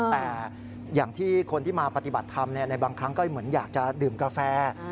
แต่อย่างที่คนที่มาปฏิบัติธรรมในบางครั้งก็เหมือนอยากจะดื่มกาแฟ